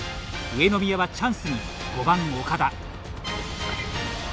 上宮はチャンスに、５番・岡田。